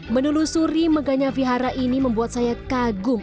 menelusuri megahnya vihara ini membuat saya kagum